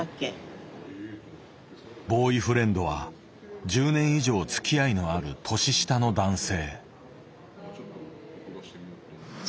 ボーイフレンドは１０年以上つきあいのある年下の男性。